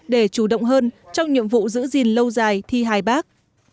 để chủ động hơn trong nhiệm vụ giữ gìn lâu dài thi hài bác